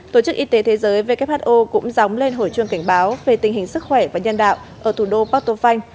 tổ chức y tế thế giới who cũng dóng lên hồi chuông cảnh báo về tình hình sức khỏe và nhân đạo ở thủ đô portofan